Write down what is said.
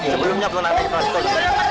sebelumnya pernah menyetel traktor